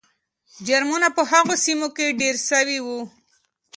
جرمونه په هغو سیمو کې ډېر سوي وو.